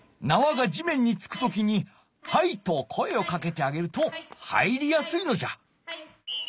なわが地面に着く時に「はい！」と声をかけてあげると入りやすいのじゃ。